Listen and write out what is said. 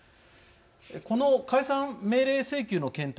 この解散命令請求の検討